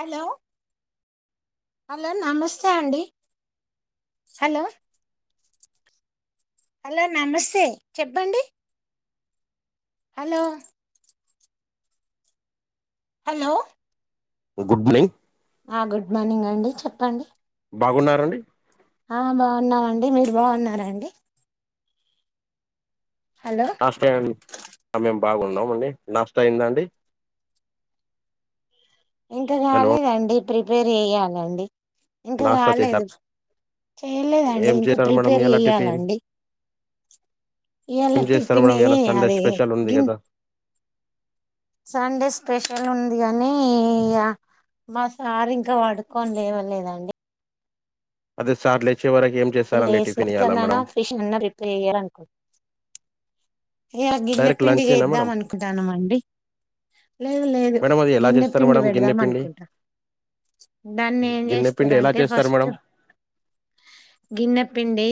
Hello hello నమస్తే అండీ hello hello నమస్తే చెప్పండి హలో హలో గుడ్ మార్నింగ్ ఆ గుడ్ మానింగ్ అండీ చెప్పండి బాగున్నారండి ఆ బాగున్నామండి మీర్ బాగున్నార అండి లాస్ట్ టైమ్ అమమ్ బాగున్నామండి నష్ట అయిందా అండి ఇంకా హలో కాలేదండి ప్రిపేర్ చెయ్యాలండి ఇంకా నాస్టా చేశారు కాలేదు చేయలేదండి ఏం ఇంకా చేశారు మేడం ప్రిపేర్ ఇయాల టిఫిన్ చెయ్యాలండి ఏం ఇలా చేస్తారు టిఫిన్ మేడం ఇయాల సండే అదే స్పెషల్ ఉంది ఇడ్లీ కదా సండే స్పెషల్ ఉంది ఇగ మా సార్ ఇంకా పడుకోని లేవలేదండి అదే సారు లేచిడ చివరకు ఏం చేస్తారని లేసి టిఫిన్ ఇయ్యాలా చికెన్ అన్నా మేడం ఫిష్ అన్నా ప్రిపేర్ ఏ ఆ గిన్నె డైరెక్ట్ పిండిగ లంచేనా చేద్దాం మేడం అనుకుంటానమండి లేదు లేదు మేడం అది ఎలా గిన్నె చేస్తారు పిండి మేడం గిన్నె పెడదాం పిండి అనుకుంటా దాన్ని ఏం గిన్నె పిండి ఎలా చేస్తారంటే చేస్తారు ఫస్ట్ మేడం గిన్నె పిండి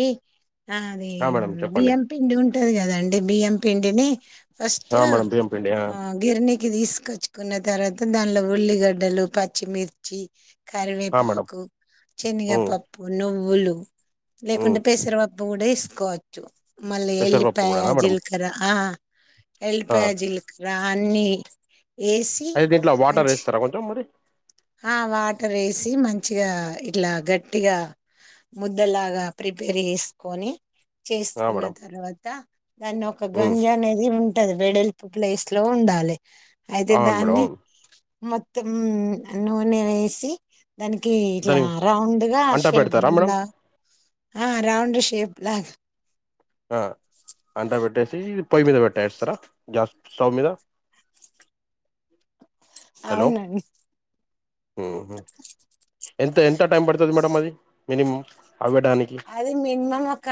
అది ఆ మేడం చెప్పండి బియ్యం పిండి ఉంటది కదండి బియ్యం పిండిని ఫస్ట్ ఆ మేడం బియ్యం పిండి ఆ గరినికి తీసుకొచ్చుకున్న తర్వాత దానిలో ఉల్లిగడ్డలు పచ్చిమిర్చి ఆ మేడం కరివేపాకు ఉమ్ శనగపప్పు నువ్వులు ఉమ్ లేకుంటే పెసరవప్పు కూడ వేసుకోవచ్చు మళ్ళీ పెసరపప్పు ఉల్లిపాయ కూడానా మేడం జీలకర్ర ఆ ఆ ఎల్లిపాయ జీలకర్ర ఆ అన్ని ఏసి అయితే దీంట్లో వాటర్ మంచి వేస్తారా కొంచెం మరి ఆ వాటర్ ఏ వేసి మంచిగా ఇట్లా గట్టిగా ముద్దలాగా ప్రిపేర్ చేసుకొని ఆ చేసుకున్న మేడం తర్వాత దాన్ని ఒక ఉమ్ గంజు అనేది ఉంటది వెడెల్పుగ ప్లేస్ లో ఉండాలి అయితే అవును మేడం దాన్ని అవును ఉ నూనె వేసి దానికి ఇట్లా దానికి రౌండ్ గా అంట షేప్ పెడతారా మేడం లాగా ఆ రౌండ్ షేప్ లాగా ఆ అంట పెట్టేసి పొయ్యి మీద పెట్టేస్తార గ్యాస్ స్టవ్ మీద హలో అవునండి ఎంత ఎంత టైం పడుతుంది మేడంమ్ అది మినిమమ్ అది మినిమం ఒక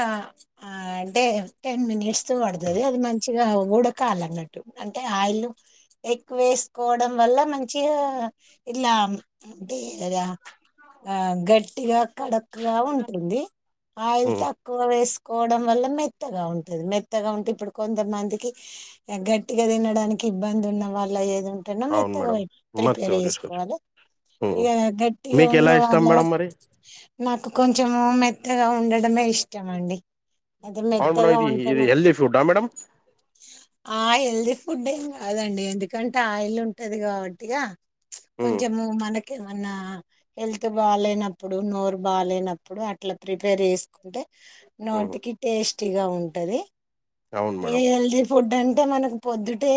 ఆ డే టెన్ మినిట్స్ తో పడుతుది అది మంచిగా ఉడకాల అన్నట్టు అంటే ఆయిల్ ఎక్కువే తీసుకోవడం వల్ల మంచి ఇలా ఆ గట్టిగా కడక్గా ఉంటుంది ఆయిల్ మ్మ్. తక్కువ వేసుకోవడం వల్ల మెత్తగా ఉంటంది మెత్త గా ఉంటే ఇప్పుడు కొంత మంది గట్టిగా తిననోళ్లకు ఇబ్బంది ఉన్న వాళ్ళ ఏది ఉంటున్నా అవును మెత్తగా మేడం ప్రిపేర్ మొత్తం తీసుకోవచ్చు చేసుకోవాలి ఇక గట్టిగా మీకు ఉన్న ఎలా ఇష్టం వాళ్ళ మేడం మరి నాకు కొంచెం మెత్తగా ఉండడమే ఇష్టం అండి అది అవును మేడం మెత్తగా ఇది ఉంటేన ఇది హెల్దీ ఫుడ్డా మేడం ఆ హెల్ది ఫుడ్ ఏం కాదండి ఎందుకంటే ఆయిల్ ఉంటది కాబట్టిగా క మ్మ్. కొంచమ మనకి ఏమన్నా హెల్త్ బాగాలేనప్పుడు నోరు బాలేనప్పుడు అ అట్లా ప్రిపేర్ చేసుకుంటే మ్మ్. నోటికి టేస్టీగా ఉంటది అవును ఏ మేడం హెల్తి ఫుడ్ అంటే మనకు పొద్దుటే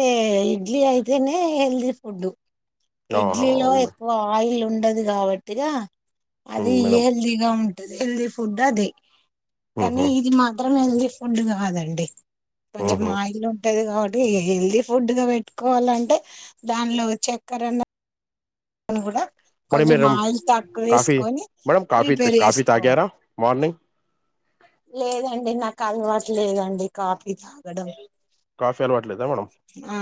ఇడ్లీ అయితేనే హెల్దీ ఫుడ్ ఆహా, ఇడ్లీలో అవును మేడం ఎక్కువ ఆయిల్ ఉండదు కాబట్టిగా అది మ్మ్, మేడం హెల్దీగా ఉంటది హెల్దీ ఫుడ్ అది మ్మ్. కానీ ఇది మాత్రం హెల్దీ ఫుడ్ కాదండి కొంచెం మ్మ్. మాయిలు ఉంటది కాబట్టి హెల్దీ ఫుడ్గా పెట్టుకోవాలంటే దానిలో చక్కెరన్న అను కూడ madam coffee madam coffee prepare coffee చేసుకోవాలి తాగారా మార్నింగ్ టీవీ సౌండ్ లేదండి నాకు అలవాటు లేదండి కాఫీ తాగడం కాఫీ అలవాట్లేద మేడం ఆ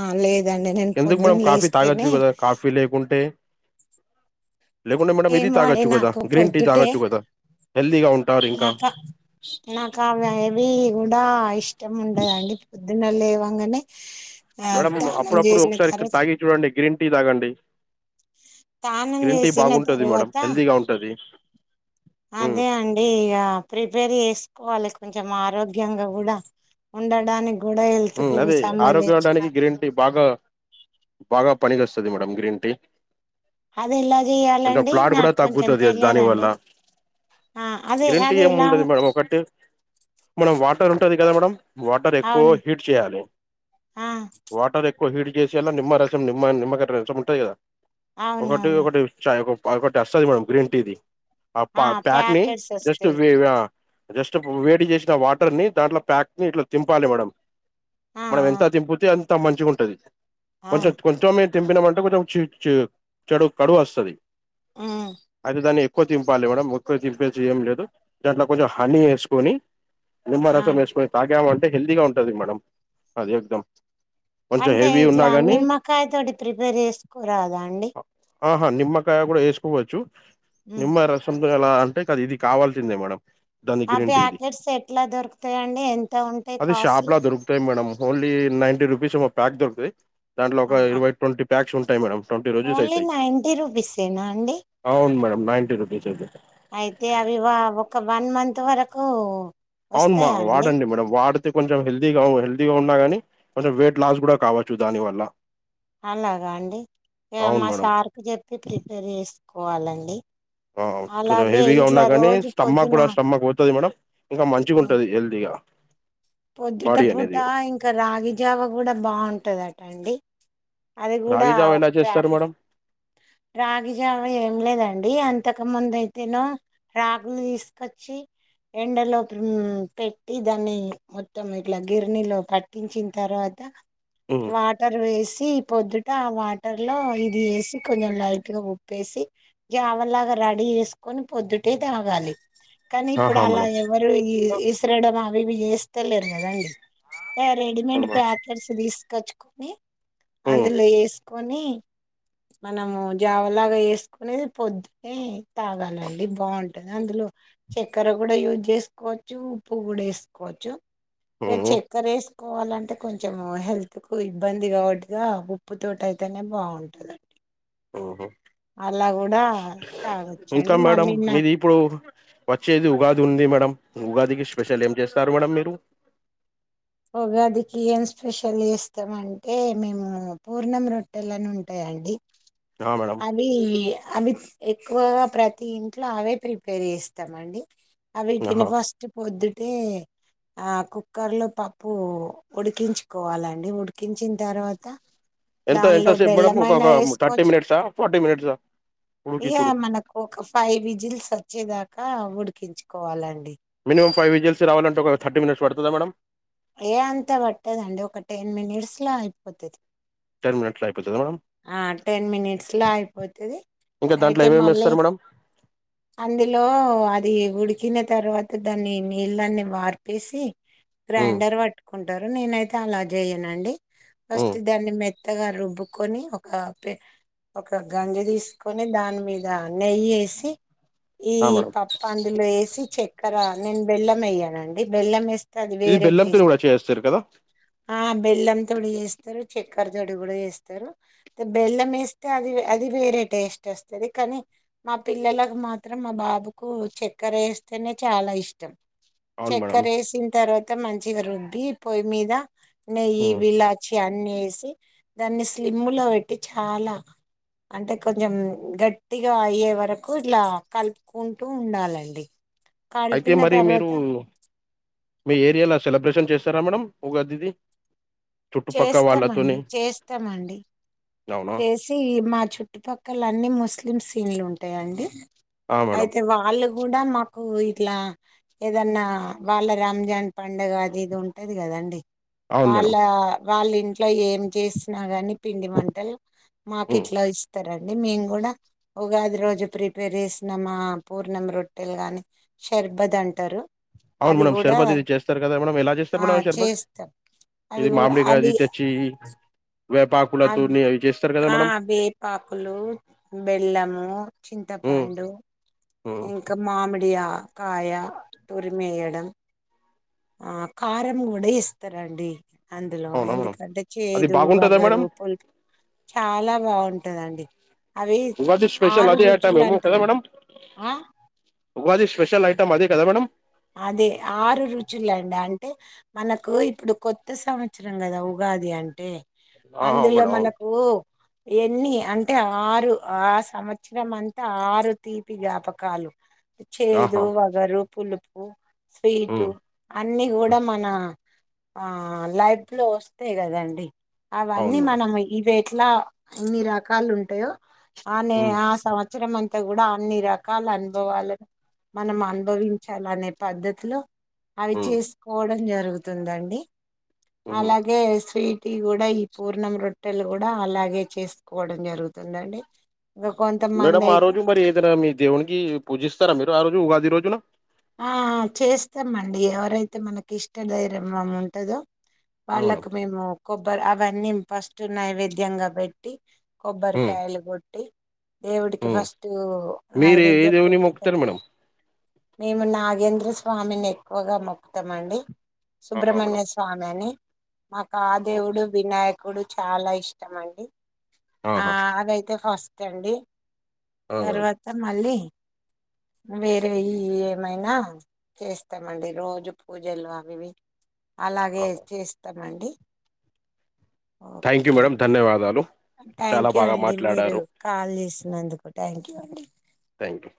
ఆ లేదండి నేను ఎందుకు మేడం పొద్దున్న కాఫీ తాగొచ్చు లేస్తేనే కదా కాఫీ లేకుంటే లేకుంటే మేడమ్ ఇది ఏమో అండి తాగచ్చు కదా నాకు గ్రీన్ టీ తాగోచ్చు కదా హెల్ది గా ఉంట నాకా నాకు అవి హెవీ కూడా ఇష్టం ఉండదండి పోద్దున లేవంగానే ఆ మేడమ్ మీము స్నానం అప్పుడప్పుడు చేసిన ఒకసారి ఇక్కడ తర్వాత తాగి చూడండి గ్రీన్ టీ తాగండి స్నానం గ్రీన్ టీ చేసిన బాగుంటది మేడం తర్వాత హెల్దీగా ఉంటది ఉమ్ అదే అండి ఇగ ప్రిపేర్ చే కోవాలి కొంచెం ఆరోగ్యంగా కూడా ఉండడానికి కూడా హెల్త్ కు అదే ఆరోగ్య సంబంధించిన అవడానికి గ్రీన్ టీ బాగా బాగా పని చేస్తది మేడమ్ గ్రీన్ టీ అది ఎలా కొంచెం చేయాలండి ఫ్లాడ్ కూడా నాకు కొంచెం తగ్గుతుది తెలియదండి దానివల్ల ఆ అదే గ్రీన్ టీ అదే ఏం ఎలా ఉండదు మేడం ఒకటి మనం వాట ఉంటది కదా మేడమ్ వాటర్ ఎక్కువ అవును హీట్ చేయాలి ఆ వాటర్ ఎక్కువ ఎక్కువ హీట్ చేసి అల్ల నిమ్మ రసం నిమ్మ నిమ్మకా రసం ఉంటది కదా ఒకటి అవునవును ఒకటి చాయ ఒక ఒకటి వస్తది మేడం గ్రీన్ టీది ఆ ప్యాక్ ని ప్యాకెట్స్ జస్ట్ వస్తాయి వి ఆ జస్ట్ వేడి చేసిన వాటర్ ని దాంట్లో ప్యాక్ ని ఇట్లా తింపాలి మేడం ఆ మనం ఆ ఎంత తింపుతే అంత మంచిగా ఉంటది ఆ కొంచెం కొంచెం తింపినామంటే కొంచెం చెడు కడువు వస్తది ఊ అయితే దాన్ని ఎక్కువ తింపాలి మేడం ఉక్కు తింపేసి ఏం లేదు దాంట్లో కొంచెం హనీ వేసుకొని ఆ నిమ్మరసం వేసుకొని తాగామ అంటే హెల్దీగా ఉంటది మేడం అది ఏద్దాం అంటే ఇట్లా నిమ్మకాయ తోటి ప్రిపేర్ చేసుకోరాదా అండి ఆహా నిమ్మకాయ కూడా వేసుకోవచ్చు ఉమ్ నిమ్మ రసం నువ్వు అలా అంటే కది ఇది కావాల్సిందే మేడం దాని ఆ గ్రీన్ టీ ఇది ప్యాకెట్స్ ఎట్లా దొరుకుతాయిండి ఎంత ఉంటాయి costly madam only ninety rupees pack దొరుకుతాది దాంట్లో ఒక ఆ ఆ ఇరవై ట్వంటీ ప్యాక్స్ ఉంటాయి మేడం ట్వంటీ రోజెస్ ఓన్లీ అవుతాయి నైంటీ రూపీసేనా అండి అవును మేడం నైన్టీ రూపీస్ అయితేయి అయితే అవి ఒక వన్ మంత్ వరకు అవును వస్తాయా అండి వాడండి మేడం వాడితే కొంచెం హెల్దీగా హెల్దీగా ఉన్నా గాని కొంచెం వెయిట్ లాస్ కూడా కావచ్చు దాని వల్ల అలాగా అండి మా మేడం సార్కి చెప్పి ప్రిపేర్ చేసుకోవాలండి కొంచెం అలాగే హెవీగా ఉన్నా ఇట్లా కానీ రోజు స్టమ్మా పొద్దున కూడా స్టమ్మాకు పోతుంది మేడంమ్ ఇంకా మంచిగా అవును. ఉంటుంది హెల్తీగా పొద్దుట బాడీ పూట అనేది ఇంకా రాగి జావ కూడా బాగుంటదట అండి అది కూడా రాగి జావ ఒక ఎలా చేస్తారు ప్యాకెట్ మేడం రాగిజావ ఏమి లేదండి అంతే ఇంతకు ముందు అయితేనో రాగులు తీసుకొచ్చి ఎండలో పెట్టి దాన్ని మొత్తం ఇట్లా గిరినీలో పట్టించిన తర్వాత హ్మ్. వాటర్ వేసి పొద్దు ట ఆ వాటర్ లో ఇది వేసి కొంచెం లైట్గా ఉప్పేసి జావ లాగా రెడీ చేసుకు కొన్ని పొద్దుటే తాగాలి కానీ ఇప్పుడు ఆహా అలా మేడం ఎవ్వరు విసిరడం అవి ఇవి చేస్తలేరు కదండి హే రెడీమేడ్ అవును మేడం ప్యాకెట్స్ తీసుకొచ్చుకొని హ్మ్. అందులో వేసుకొని మనము జావ లాగా చేసుకునేది పొద్దునే తాగాలండి బాగుంటది అందులో చక్కెర కూడా యూజ్ చేసుకోవచ్చు ఉప్పు కూడా వేసుకోవచ్చు ఇగ హ్మ్. చక్కర వేసుకోవాలంటే అంటే కొంచెం హెల్త్ కు ఇబ్బంది కాబట్టిగా ఉప్పు తోటి అయితేనే బాగుంటదండి. హుహు. అలా కూడా ఇకాా తాగొచ్చండి మేడం మళ్ళీ నా మీది ఇప్పుడు వచ్చేది ఉగాది ఉంది మేడం ఉగాదికి స్పెషల్ ఏం చేస్తారు మేడంమ్ మీరు ఉగాదికి ఏం స్పెషల్ ఇస్తామ్ అంటే మేము పూర్ణం రొట్టెలని ఉంటాయండి ఆ మేడం అవి అభ ఎక్కువగా ప్రతి ఇంట్లో అవే ప్రిపేర్ చేస్తామండి అ వటిని ఆహా ఫస్ట్ పొద్దు అ ఆ కుక్కర్ లో పప్పు ఉడికించుకోవాలండి ఉడికించిన తర్వాత ఎంత దానిలో ఎంతసేపు మేడం ఒక ఒక థర్టీ వేసుకోవచ్చు మినిట్సా ఫార్టీ మినిట్సా ఇయా ఉడికిచ్చుడు మనకు ఒక ఫైవ్ విజిల్స్ వచ్చేదాకా ఉడికించుకోవాలండి మిమం ఫైవ్ విజిల్స్ రావాలంటే ఒక ర్టీ మినిట్స్ పడుదా మ్యాడడం ఏ అంత పట్టదండి ఒక టెన్ మినిట్స్లా అయిపోతుంది తెర్ మినట్ ఆ టెన్ మినిట్స్ లో అయిపోతుది ఇంకా దాంట్లో అయితే ఏమేమి మళ్ళీ ఏస్తారు మేడం అందులో అది ఉడికిన తర్వాత దాన్ని నీళ్ళన్ని మార్పేసి ఉమ్ గ్రైండర్ పట్టుకుంటా న అ ఉమ్ మ కొని ఒక పే ఒక గంజి తీసుకొని దాని మీద నెయ్యి వేసి ఈ ఆ మేడం పప్ప అందులో వేసి చక్కెర నేను బెల్లం వేయ్యానండి బెల్లం వేస్త అది ఇది వేర బెల్లంతోని టేస్ట్ కూడా చేస్తారు కదా ఆ బెల్ం తొడి వేస్తారు చెక్కర తొడి కూడా వేస్తారు బెల్లం వేస్తే అది అది వేరే టేస్ట్ వస్తుంది కానీ మా పిల్లల మాత్రం మా బాబుకు చెక్కర వేస్తేనే చాలా ఇష్టం అవును మేడం చక్కర వేసిన తర్వాత మంచిగా రుబ్బి పొయ్యి మీద నెయ్యి ఉమ్ విలాచి అన్ని వేసి దాన్ని స్లిమ్ లో పెట్టి చాలా అంటే కొంచెం గట్టిగా అయ్యే వరకు ఇలా కలుపుకుంటూ ఉండాలండి అయితే కలిపిన మరి మీరు తర్వాత మీ ఏరియాలో సెలబ్రేషన్ చేస్తారా మేడడం ఉదిది చేస్తామండి చేస్తామండి అవునా చేసి మా చుట్టుపక్కల అన్ని ముస్లిం సీన్లు ఉంటాయిడి ఆ మేడం అయితే వాళ్ళు కూడా మాకు ఇట్లా ఏదన్నా వాళ్ళ రాంజాన్ పండుగ అది ఇది ఉంటది కదండి అవును వాళ్ళ మేడం వాళ్ళ ఇంట్లో ఏం చేస్తున ని పిండి మంటలు ఉమ్ మాకెట్ లో ఇస్తారండి మేము కూడా ఉగాది రోజు ప్రిపేర్ చేసిన మా పూర్ణం రొట్టెలు గాని షర్బద్ అంటారు అవును అది మేడమ్ కూడా షర్బత్ ఇది చేస్తారు కదా మేడడం ఎలా చేస్తారు ఆ మేడడం షర్బత్ చేస్తాం అవి ఇది కూ- మామడి కాది అవి తె పాకులా తూరు ని అవి ఆ మేడం వేపాకులు బెల్లము ఉమ్ చింతపండు ఉమ్ ఇంకా మామిడియా కాయ తురిమేయడం కారం కూడా ఇస్తారండి అందులో అవునా మేడం ఎందుకంటే అది చేదు బాగుంటదా మేడం వగరు పులుపు చాలా బాగుంటాంది ఉంటదండి అవి ఉగాది స్పెషల్ ఆరు అదే ఐటమ్ రుచులు ఏమో కదా అంటదండి మేడం ఉగాది స్పెషల్ ఐటమ్ అద కద మడడం అదే ఆరు రుచులండి అంటే మనకు ఇప్పుడు కొత్త సంవత్సరం కదా ఉగా కాది అంటే ఆహా అందులో మేడం అవును మనకు ఎన్ని అంటే ఆరు ఆ సంవత్సరం అంతా ఆరు తీపి జ్ఞాపకాలు చేదు ఆహా వగరు పులుపు స్వీటు ఉమ్ అన్ని కూడా మన ఆ లైఫ్ లో వస్తాయి కదండి అవును అవన్నీ మేడం మనం ఇవి ఎట్లా ఇన్ని రకాలు ఉంటాయో ఆ న ఉమ్ ఆ సంవత్సరం. అంత కూడా అన్ని రకాల అనుభవాలను మనం అనుభవించాల అనే పద్ధతిలో అవి ఉమ్ చేసుకోవడం జరుగుతుందండి ఉహు అలాగే స్వీట్ కూడా ఈ పూర్ణం రొట్టెలు కూడా అలాగే చేసుకోవడం జరుగుతుందండి. ఇంకా కొంతమంది మేడం ఆ అయితే రోజు మరి ఏదైనా మీ దేవునికి పూజిస్తారా మీరు ఆ రోజు ఉగాది రోజున ఆ చేస్తాం అండి ఎవరైతే మనకి ఇష్ట దైవం ఉంటందో ఆ మేడం వాళ్ళకు మేము కొబ్బర అవన్నీ ఫస్ట్ నైవేద్యంగా పెట్టి ఉమ్ కొబ్బరికాయలు కొట్టి దేవుడికి ఉమ్ ఫస్ట్ మీరు ఏ నైవేద్యము దేవుని మొక్కుతారు మేడం పెట్టినతారువాత మేము నాగేంద్ర స్వామిని ఎక్కువగా మొక్కుతామండి. ఆహా మేడం సుబ్రహ్మణ్య స్వామి అని మాకు ఆ ఉమ్ దేవుడు వినాయక్ కుడు చాలా ఇష్టం అండి ఆ ఆహా అదైతే ఫస్ట్ అండి. ఆ మేడం తర్వాత మళ్ళీ వేరే ఇ ఏమైనా చేస్తామండి రోజు పూజలు అవివి అలాగే ఆహా చేస్తామండి. థ్యాంక్ ఓకే యూ మేడం అండి ధన్యవాదాలు. చాలా థ్యాంక్ యూ బాగా అండి మీరు మాట్లాడారు కాల్ చేసినందుకు థ్యాంక్ యూ అండి. Thank you.